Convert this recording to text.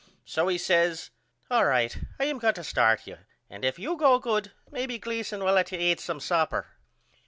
So he says All right I am going to start you and if you go good maybe Gleason will let you eat some supper.